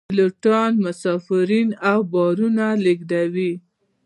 پیلوټان مسافرین او بارونه لیږدوي